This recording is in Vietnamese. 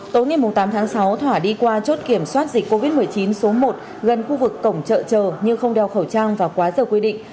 tối ngày tám tháng sáu thỏa đi qua chốt kiểm soát dịch covid một mươi chín số một gần khu vực cổng chợ chờ nhưng không đeo khẩu trang và quá giờ quy định